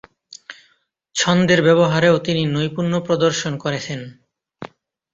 ছন্দের ব্যবহারেও তিনি নৈপুণ্য প্রদর্শন করেছেন।